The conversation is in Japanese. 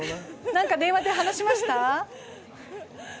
なんか電話で話しました？